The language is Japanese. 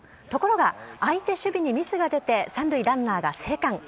ところが、相手守備にミスが出て、３塁ランナーが生還。